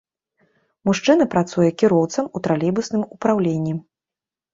Мужчына працуе кіроўцам у тралейбусным упраўленні.